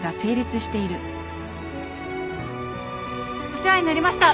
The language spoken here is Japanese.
お世話になりました。